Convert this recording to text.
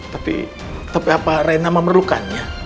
tapi tapi apa rena memerlukannya